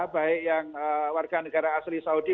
baik yang warga negara asli saudi